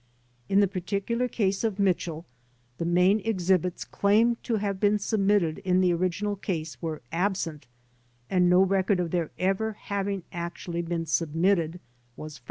In the particular case of Mitchell the main exhibits claimed to have been submitted in the original case were absent and no record of their ever having actually been submitted, was found.